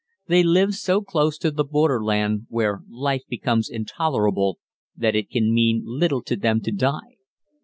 They live so close to the borderland where life becomes intolerable that it can mean little to them to die.